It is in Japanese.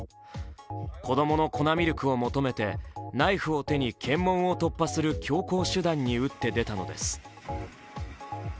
子供の粉ミルクを求めてナイフを手に検問を突破する強硬手段に打って出たのです。